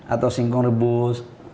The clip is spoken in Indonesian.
atau singkong rebus